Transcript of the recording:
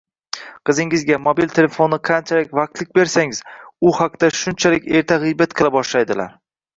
Qizingizga mobil telefonni qanchalik vaqtlik bersangiz, u haqida shunchalik erta g‘iybat qila boshlaydilar.